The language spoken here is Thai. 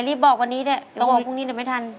รีบบอกวันนี้เดี๋ยวบอกพรุ่งนี้แต่ไม่ทัน